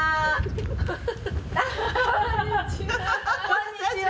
こんにちは